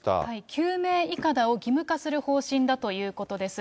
救命いかだを義務化する方針だということです。